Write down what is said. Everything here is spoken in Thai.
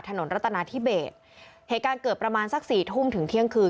รัฐนาธิเบสเหตุการณ์เกิดประมาณสักสี่ทุ่มถึงเที่ยงคืน